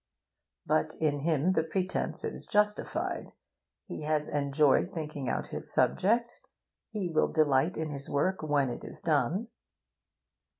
But in him the pretence is justified: he has enjoyed thinking out his subject, he will delight in his work when it is done.